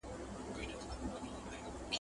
په دربار کي د زمري پاچا مېلمه سو ..